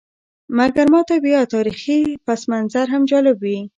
مګر ماته بیا تاریخي پسمنظر هم جالب وي.